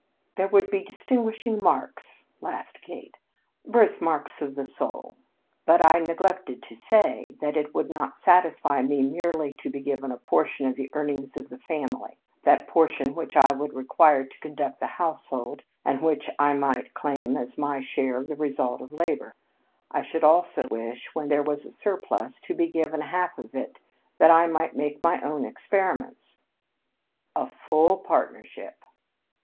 "There would be distinguishing marks," laughed Kate; "birthmarks of the soul. But I neglected to say that it would not satisfy me merely to be given a portion of the earnings of the family that portion which I would require to conduct the household and which I might claim as my share of the result of labor. I should also wish, when there was a surplus, to be given half of it that I might make my own experiments." "A full partnership!"